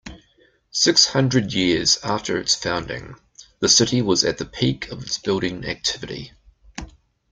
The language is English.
Six hundred years after its founding, the city was at the peak of its building activity.